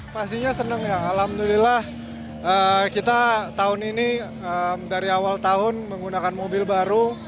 pastinya senang ya alhamdulillah kita tahun ini dari awal tahun menggunakan mobil baru